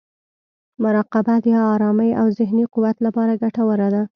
مراقبه د ارامۍ او ذهني قوت لپاره ګټوره ده.